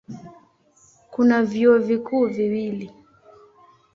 Kuna vyuo vikuu viwili.